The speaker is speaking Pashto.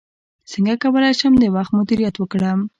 څنګه کولی شم د وخت مدیریت وکړم